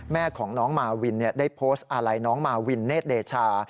แม่ของน้องมาวินได้โพสต์อาลัยน้องมาวินเนธเดชา